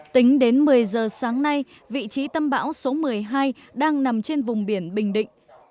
tính đến một mươi giờ sáng nay vị trí tâm bão số một mươi hai đang nằm trên vùng biển bình định